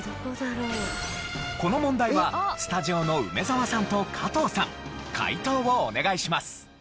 この問題はスタジオの梅沢さんと加藤さん解答をお願いします。